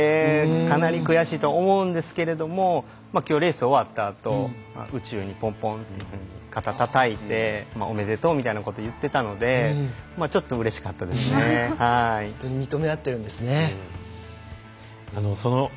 かなり悔しいと思うんですけれどもきょう、レース終わったあと宇宙にポンポンと肩叩いておめでとうみたいなこと言ってたので認め合っているんですね。